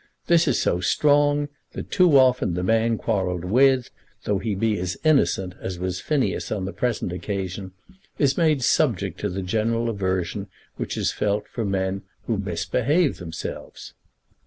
This is so strong, that too often the man quarrelled with, though he be as innocent as was Phineas on the present occasion, is made subject to the general aversion which is felt for men who misbehave themselves.